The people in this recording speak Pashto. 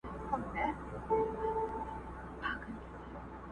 خوشحال بلله پښتانه د لندو خټو دېوال،